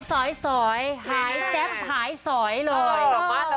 สอยหายแซ่บหายสอยเลย